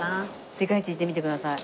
世界一いってみてください。